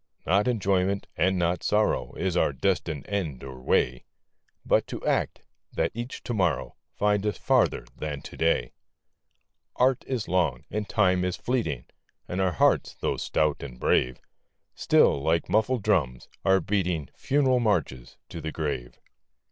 VOICES OF THE NIGHT. Not enjoyment, and not sorrow, Is our destined end or way ; But to act, that each to morrow Find us farther than to day. Art is long, and Time is fleeting, And our hearts, though stout and brave, Still, like muffled drums, are beating Funeral marches to the grave.